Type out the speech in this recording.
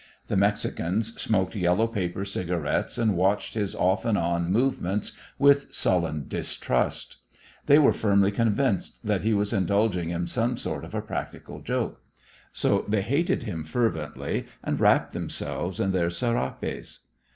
The Mexicans smoked yellow paper cigarettes and watched his off and on movements with sullen distrust; they were firmly convinced that he was indulging in some sort of a practical joke. So they hated him fervently and wrapped themselves in their serapes.